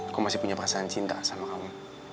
aku masih punya perasaan cinta sama kamu